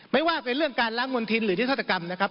ไม่ว่าเป็นเรื่องการล้างมณฑินหรือนิทธกรรมนะครับ